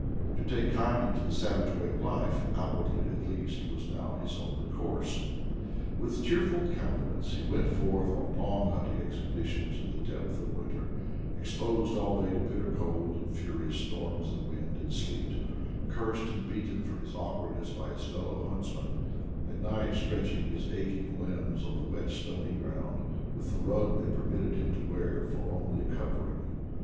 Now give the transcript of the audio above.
To take kindly to the savage way of life, outwardly at least, was now his only course. With cheerful countenance he went forth on long hunting expeditions in the depth of winter, exposed all day to bitter cold and furious storms of wind and sleet, cursed and beaten for his awkwardness by his fellow hunts ' men; at night stretching his aching limbs on the wet stony ground, with the rug they permitted him to wear for only covering.